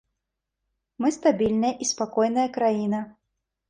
Мы стабільная і спакойная краіна.